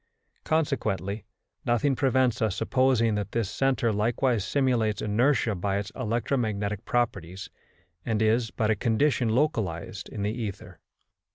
Consequently nothing prevents us supposing that this centre likewise simulates inertia by its electromagnetic properties, and is but a condition localised in the ether.